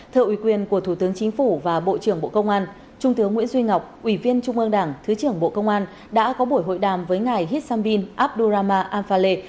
thợ ủy quyền của thủ tướng chính phủ và bộ trưởng bộ công an trung tướng nguyễn duy ngọc ủy viên trung ương đảng thứ trưởng bộ công an đã có buổi hội đàm với ngài hít sam bin abdurrahman al faleh